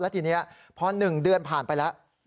ทีนี้พอ๑เดือนผ่านไปแล้ว